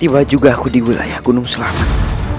tidak aku di wilayah gunung selamat